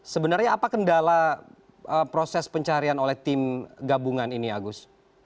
sebenarnya apa kendala proses pencarian oleh tim gabungan ini agus